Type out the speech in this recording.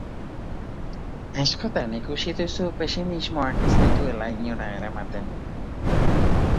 Askotan ikusi duzu pesimismoak ez zaituela inora eramaten.